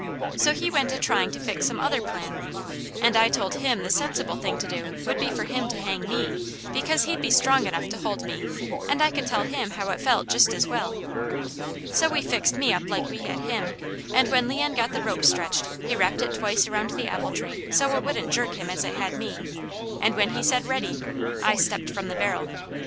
So he went to trying to fix some other plan, and I told him the sensible thing to do would be for him to hang me, because he'd be strong enough to hold me and I could tell him how it felt just as well. So we fixed me up like we had him, and when Leon got the rope stretched, he wrapped it twice around the apple tree so it wouldn't jerk him as it had me, and when he said "Ready," I stepped from the barrel.